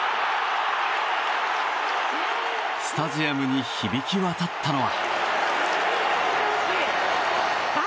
スタジアムに響き渡ったのは。